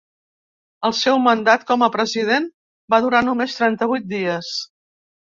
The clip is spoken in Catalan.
El seu mandat com a president va durar només trenta-vuit dies.